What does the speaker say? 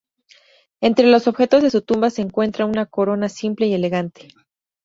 Entre los objetos de su tumba se encuentra una corona simple y elegante.